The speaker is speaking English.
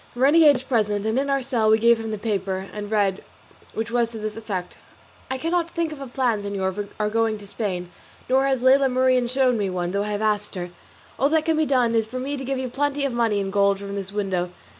The renegade was present, and in our cell we gave him the paper to read, which was to this effect: "I cannot think of a plan, señor, for our going to Spain, nor has Lela Marien shown me one, though I have asked her. All that can be done is for me to give you plenty of money in gold from this window.